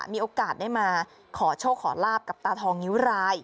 มีโอกาสได้มาขอโชคขอลาบกับตาทองนิ้วราย